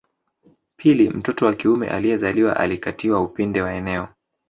Pili mtoto wa kiume aliyezaliwa alikatiwa upinde wa eneo